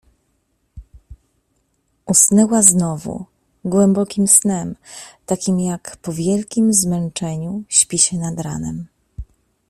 Usnęła znowu, głębokim snem, takim, jakim po wielkim zmęczeniu śpi się nad ranem.